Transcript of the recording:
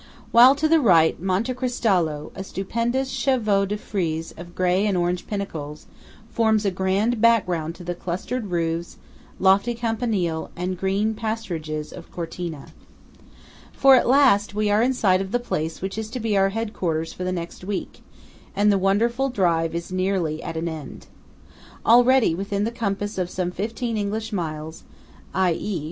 While to the right, Monte Cristallo, a stupendous chevaux de frise of grey and orange pinnacles, forms a grand background to the clustered roofs, lofty campanile, and green pasturages of Cortina For at last we are in sight of the place which is to be our head quarters for the next week, and the wonderful drive is nearly at an end. Already, within the compass of some fifteen English miles (i. e.